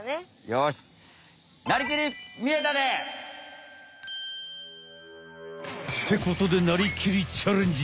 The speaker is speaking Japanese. よしってことで「なりきり！チャレンジ！」。